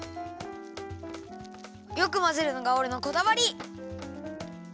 よくまぜるのがおれのこだわり！